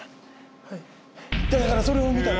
はいだからそれを見たの。